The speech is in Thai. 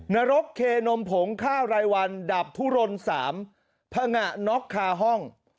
นรกเคนมผงข้าวรายวันดับทุรน๓พังงะน็อกคาห้อง